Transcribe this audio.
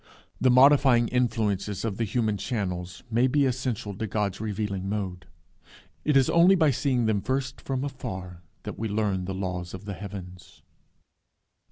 The modifying influences of the human channels may be essential to God's revealing mode. It is only by seeing them first from afar that we learn the laws of the heavens.